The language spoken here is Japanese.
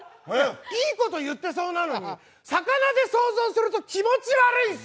いいこと言ってそうなのに、魚で想像すると気持ち悪いです。